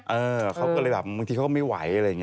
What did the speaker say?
เออเขาก็เลยแบบบางทีเขาก็ไม่ไหวอะไรอย่างนี้